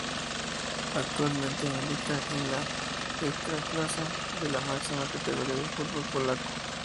Actualmente milita en la Ekstraklasa, la máxima categoría del fútbol polaco.